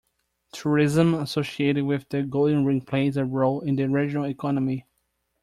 Tourism associated with the Golden Ring plays a role in the regional economy.